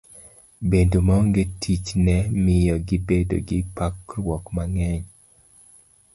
Bedo maonge tich ne miyo gibedo gi parruok mang'eny.